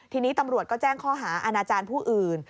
ทีนี้ตำรวจก็แจ้งข้อหาอาณาจารย์ผู้อื่น